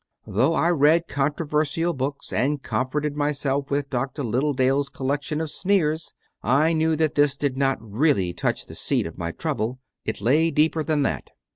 Though I read controversial books and comforted myself with Dr. Littledale s collection of sneers, I knew that this did not really touch the seat of my trouble: it lay deeper than that.